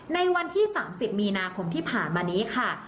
ในวันที่๓๐มีนาคมที่ผ่านมานี้ค่ะ